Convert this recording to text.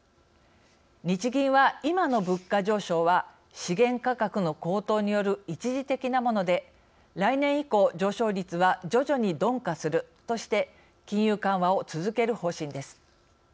日銀は「今の物価上昇は資源価格の高騰による一時的なもので来年以降上昇率は徐々に鈍化する」として金融緩和を続ける方針です。